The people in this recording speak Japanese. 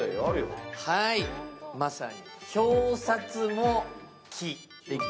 まさに表札も木。